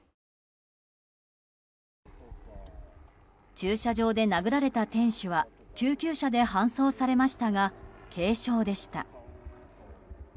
駐車場で殴られた店主は救急車で搬送されましたが軽傷でした。